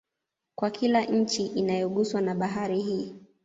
Kwa kila nchi inayoguswa na Bahari hii